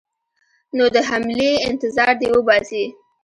نو د حملې انتظار دې وباسي.